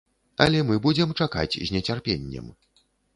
Але мы будзем чакаць з нецярпеннем.